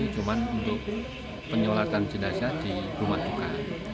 cuma untuk penyelatan jenazah di rumah buka